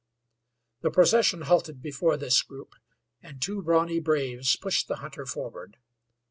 The procession halted before this group, and two brawny braves pushed the hunter forward.